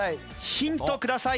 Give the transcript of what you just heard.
「ヒントください」。